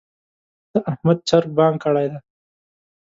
د احمد چرګ بانګ کړی دی.